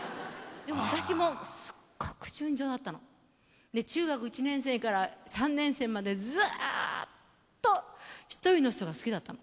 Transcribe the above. でも私もすっごく純情だったの。で中学１年生から３年生までずっと１人の人が好きだったの。